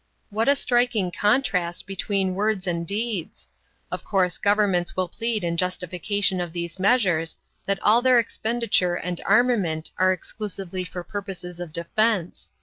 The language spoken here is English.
What a striking contrast between words and deeds! Of course governments will plead in justification of these measures that all their expenditure and armament are exclusively for purposes of defense.